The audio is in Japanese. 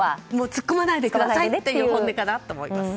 突っ込まないでくださいという本音かなと思います。